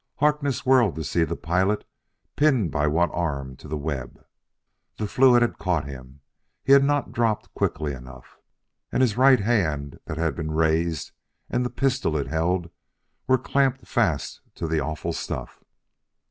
Harkness whirled to see the pilot pinned by one arm to the web. The fluid had caught him; he had not dropped quickly enough. And his right hand that had been raised, and the pistol it held, were clamped fast to the awful stuff.